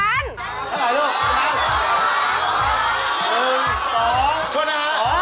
ตั้งกว่านด้ง